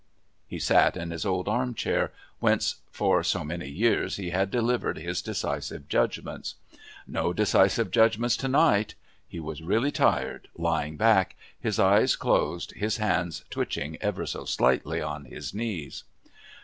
He sat in his old arm chair, whence for so many years he had delivered his decisive judgments. No decisive judgments tonight! He was really tired, lying back, his eyes closed, his hands twitching ever so slightly on his knees.